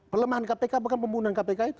pelemahan kpk bahkan pembunuhan kpk itu